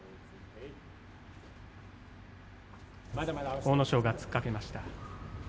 阿武咲が突っかけました。